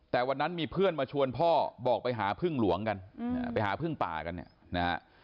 แต่วันนั้นมีเพื่อนมาชวนพ่อบอกไปหาพึ่งหลวงกันไปหาพึ่งป่ากันเนี่ยนะฮะ